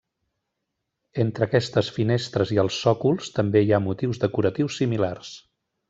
Entre aquestes finestres i els sòcols també hi ha motius decoratius similars.